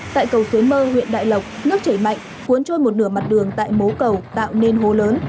tại cầu xuế mơ huyện đại lộc nước chảy mạnh cuốn trôi một nửa mặt đường tại mố cầu tạo nên hố lớn